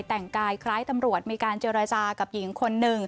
แต่งกายคล้ายตำรวจมีการเจรจากับหญิงคนหนึ่ง